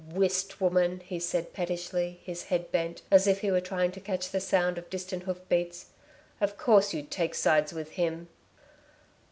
"Whist, woman," he said pettishly, his head bent, as if he were trying to catch the sound of distant hoof beats. "Of course you'd take sides with him!"